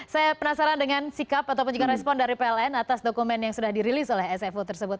saya penasaran dengan sikap ataupun juga respon dari pln atas dokumen yang sudah dirilis oleh sfo tersebut